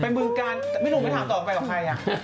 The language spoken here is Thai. ไปเมืองกาลไม่รู้ไปถามต่อไปกับใครอ่ะ